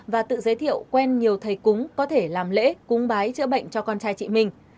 và tự giới thiệu quen nhiều thầy cúng có thể làm lễ cúng bái chữa bệnh cho con trai chị minh